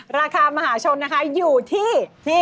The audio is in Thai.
ราคามหาชนนะคะอยู่ที่